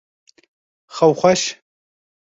Xew xweş!